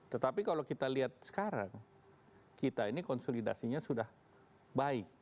tetapi kalau kita lihat sekarang kita ini konsolidasinya sudah baik